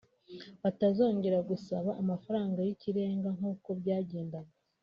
batazongera gusabwa amafaranga y’ikirenga nkuko byagendaga